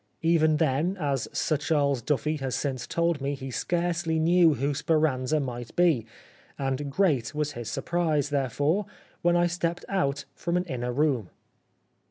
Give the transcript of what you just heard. PVen then, as Sir Charles Duffy has since told me he scarcely knew who ' Speranza ' might be, and great was his surprise, therefore, when I stepped out from an inner room."